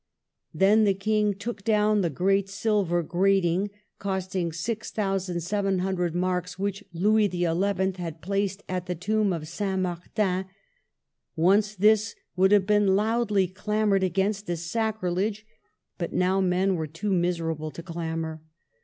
Then the King took down the great silver grating, costing 6,700 marks, which Louis XI. had placed at the tomb of Saint Martin. Once this would have been loudly clamored against as sacrilege, but now men were too miserable to clamor.